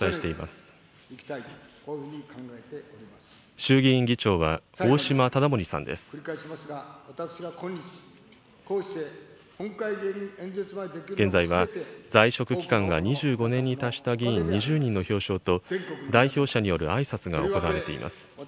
現在は在職期間が２５年に達した議員２０人の表彰と、代表者によるあいさつが行われています。